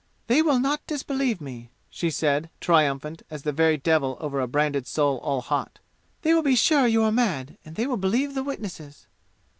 "They will not disbelieve me," she said, triumphant as the very devil over a branded soul all hot. "They will be sure you are mad, and they will believe the witnesses!"